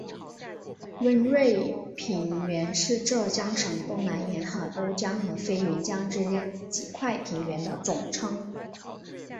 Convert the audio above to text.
温瑞平原是浙江省东南沿海瓯江和飞云江之间几块平原的总称。